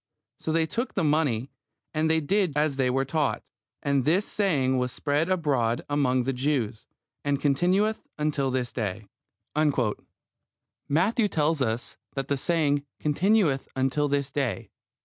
So they took the money, and did as they were taught: and this saying was spread abroad among the Jews, and continueth until this day. Matthew tells us that the saying "continueth until this day."